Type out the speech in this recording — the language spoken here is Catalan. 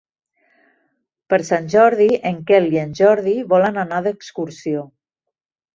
Per Sant Jordi en Quel i en Jordi volen anar d'excursió.